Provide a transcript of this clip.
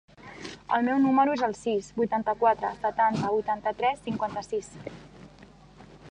El meu número es el sis, vuitanta-quatre, setanta, vuitanta-tres, cinquanta-sis.